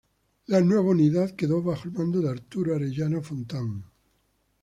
La nueva unidad quedó bajo el mando de Arturo Arellano Fontán.